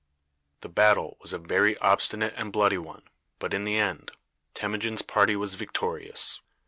The battle was a very obstinate and bloody one, but, in the end, Temujin's party was victorious.